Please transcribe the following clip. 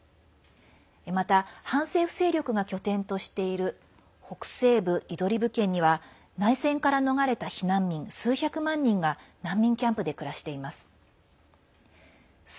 また反政府勢力が拠点としている北西部イドリブ県には内戦から逃れた避難民数百万人が難民キャンプで暮らしています。